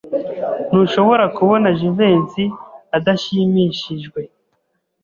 Ntushobora kubona Jivency adashimishijwe?